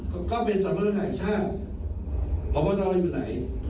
ก็เป็นสำเนินหายชาติเพราะว่าจะไปไหน